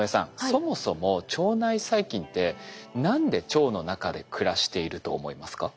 そもそも腸内細菌って何で腸の中で暮らしていると思いますか？